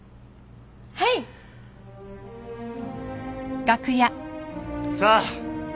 はい！さあ！